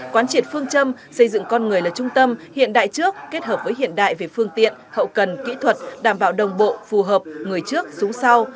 quán triệt phương châm xây dựng con người là trung tâm hiện đại trước kết hợp với hiện đại về phương tiện hậu cần kỹ thuật đảm bảo đồng bộ phù hợp người trước súng sau